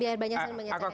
biar banyak yang menyatakan